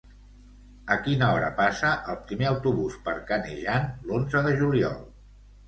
A quina hora passa el primer autobús per Canejan l'onze de juliol?